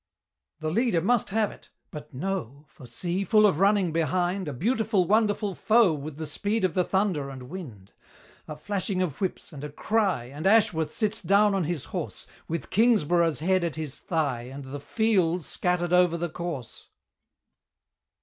The leader must have it but no! For see, full of running, behind A beautiful, wonderful foe With the speed of the thunder and wind! A flashing of whips, and a cry, And Ashworth sits down on his horse, With Kingsborough's head at his thigh And the "field" scattered over the course!